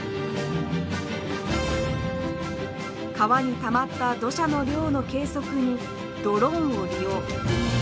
川にたまった土砂の量の計測にドローンを利用。